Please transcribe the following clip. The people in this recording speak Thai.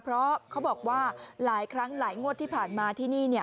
เพราะเขาบอกว่าหลายครั้งหลายงวดที่ผ่านมาที่นี่เนี่ย